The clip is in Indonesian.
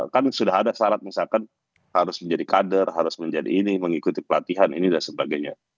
kan sudah ada syarat misalkan harus menjadi kader harus menjadi ini mengikuti pelatihan ini dan sebagainya